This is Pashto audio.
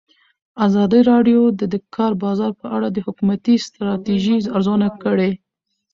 ازادي راډیو د د کار بازار په اړه د حکومتي ستراتیژۍ ارزونه کړې.